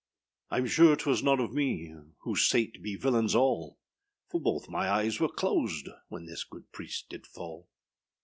Iâm sure âtwas none of me, Who sayât be villains all; For both my eyes were closed When this good priest did fall.